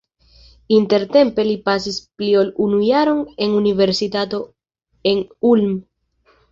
Intertempe li pasis pli ol unu jaron en universitato en Ulm.